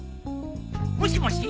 もしもし？